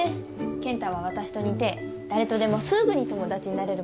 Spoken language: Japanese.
健太はわたしと似て誰とでもすぐに友達になれるもんね。